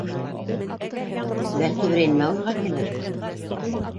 Бәлки, берәй нәмә уйға килер.